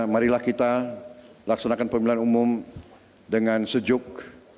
marilah kita laksanakan pemilihan umum dengan sejuk